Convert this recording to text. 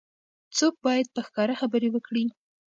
څوګ باید په ښکاره خبرې وکړي.